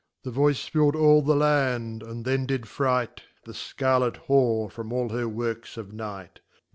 The voice fill'd all the Land, and then did fright The Scarlet Whore from all her works of night.